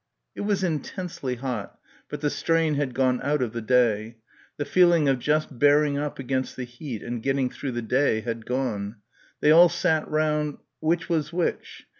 It was intensely hot, but the strain had gone out of the day; the feeling of just bearing up against the heat and getting through the day had gone; they all sat round ... which was which?...